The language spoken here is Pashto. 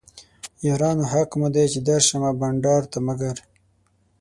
یارانو حق مو دی چې درشمه بنډار ته مګر